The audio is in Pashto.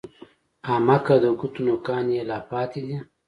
احمقه! د ګوتو نوکان يې لا پاتې دي!